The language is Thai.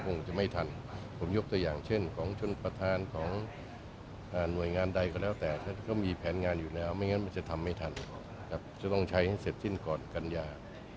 อผมยกตัวอย่างเช่นของช่วงประธานของหน่วยงานใดก็แล้วแต่ก็มีแผนงานอยู่แล้วไม่งั้นมันจะทำไม่ทันจะต้องใช้เสร็จสิ้นก่อนกัญญา